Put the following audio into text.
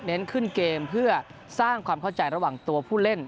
ขึ้นเกมเพื่อสร้างความเข้าใจระหว่างตัวผู้เล่น